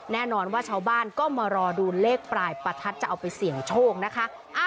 แน่นอนว่าชาวบ้านก็มารอดูเลขปลายประทัดจะเอาไปเสี่ยงโชคนะคะ